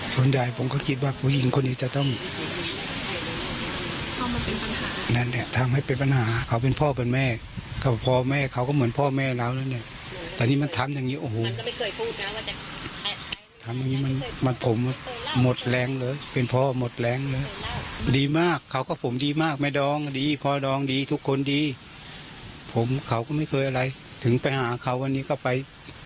ส่วนดายผมก็คิดว่าผู้หญิงคนนี้จะต้องนั่นเนี้ยทำให้เป็นปัญหาเขาเป็นพ่อเป็นแม่เขาเป็นพ่อแม่เขาก็เหมือนพ่อแม่เราแล้วเนี้ยแต่นี่มันทำอย่างงี้โอ้โหทำอย่างงี้มันมันผมหมดแรงเลยเป็นพ่อหมดแรงเลยดีมากเขาก็ผมดีมากแม่ดองดีพ่อดองดีทุกคนดีผมเขาก็ไม่เคยอะไรถึงไปหาเขาวันนี้ก็ไป